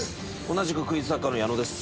同じくクイズ作家のヤノです。